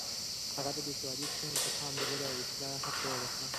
هغه د بې سوادۍ ستونزو ته پام درلود او د اصلاح هڅه يې وکړه.